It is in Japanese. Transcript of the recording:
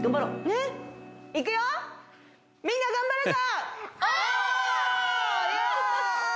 みんな頑張るぞ！！